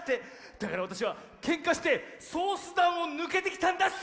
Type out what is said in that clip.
だからわたしはけんかしてソースだんをぬけてきたんだっす！